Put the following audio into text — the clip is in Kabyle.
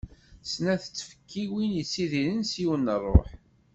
Snat n tfekkiwin yettidiren s yiwen n rruḥ.